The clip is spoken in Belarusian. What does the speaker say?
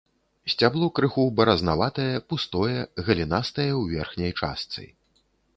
Сцябло крыху баразнаватае, пустое, галінастае ў верхняй частцы.